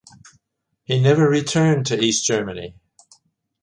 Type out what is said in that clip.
He never returned to East Germany.